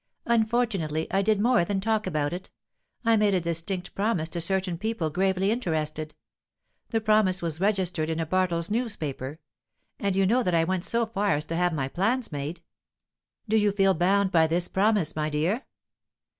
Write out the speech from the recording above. "Unfortunately, I did more than talk about it. I made a distinct promise to certain people gravely interested. The promise was registered in a Bartles newspaper. And you know that I went so far as to have my plans made." "Do you feel bound by this promise, my dear?"